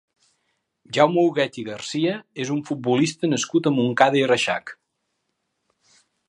Jaume Huguet i Garcia és un futbolista nascut a Montcada i Reixac.